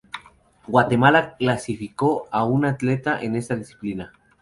Guatemala clasificó a un atleta en esta disciplina.